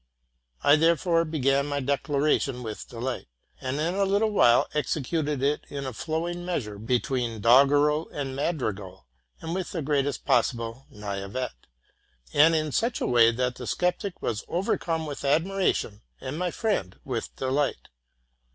I therefore began my declaration with delight, and in a little while executed it in a flowing measure, between doggerel and madrigal, with the greatest possible naiveté, and in such a way that the sceptic was overcome with admiration, and my friend with delight.